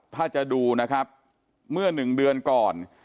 ถ้าจะดูเมื่อ๑เดือนก่อน